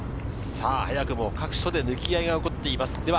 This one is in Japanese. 早くも各所で抜き合いが起こっています。